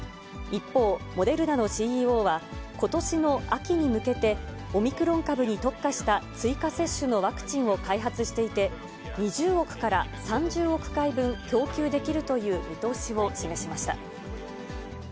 一方、モデルナのＣＥＯは、ことしの秋に向けて、オミクロン株に特化した追加接種のワクチンを開発していて、２０億から３０億回分、供給できるという見通しを示しました。